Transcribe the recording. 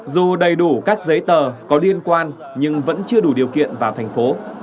dù đầy đủ các giấy tờ có liên quan nhưng vẫn chưa đủ điều kiện vào thành phố